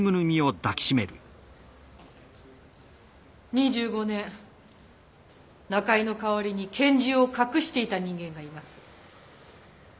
２５年中井の代わりに拳銃を隠していた人間がいます